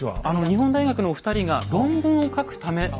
あの日本大学のお二人が論文を書くため。